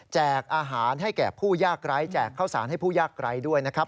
อาหารให้แก่ผู้ยากไร้แจกข้าวสารให้ผู้ยากไร้ด้วยนะครับ